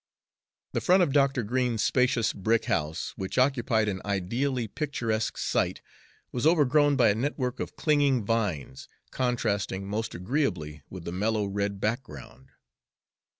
The front of Dr. Green's spacious brick house, which occupied an ideally picturesque site, was overgrown by a network of clinging vines, contrasting most agreeably with the mellow red background.